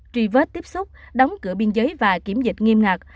tri vết tiếp xúc đóng cửa biên giới và kiểm dịch nghiêm ngạc